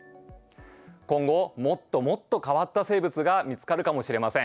今後もっともっと変わった生物が見つかるかもしれません。